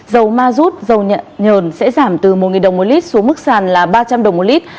dầu ma rút dầu nhờn sẽ giảm từ một đồng một lít xuống mức sàn là ba trăm linh đồng một lít